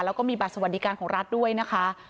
แล้วก็มีบัตรสวัสดิการของรัฐด้วยนะคะ